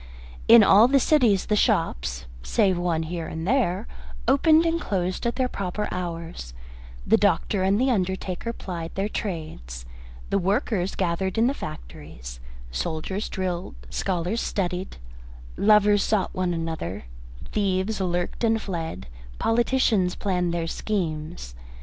In all the cities the shops, save one here and there, opened and closed at their proper hours, the doctor and the undertaker plied their trades, the workers gathered in the factories, soldiers drilled, scholars studied, lovers sought one another, thieves lurked and fled, politicians planned their schemes.